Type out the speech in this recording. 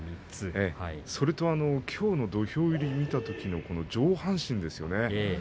それときょうの土俵入り見たときの上半身ですね。